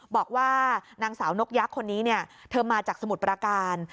บอกว่านางสาวนกยักษ์คนนี้เธอมาจากสมุทรประการ